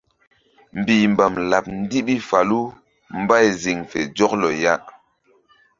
Mbihmbam laɓ ndiɓi falu mbay ziŋ fe zɔklɔ ya.